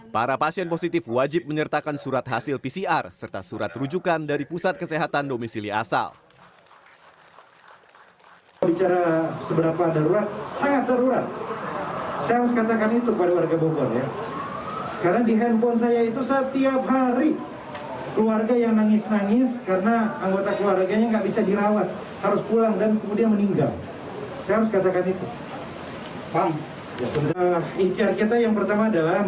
para pasien positif wajib menyertakan surat hasil pcr serta surat rujukan dari pusat kesehatan domisili alam